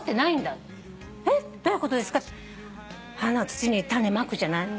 土に種まくじゃない？